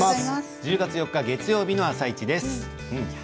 １０月４日月曜日の「あさイチ」です。